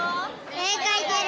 絵描いてる。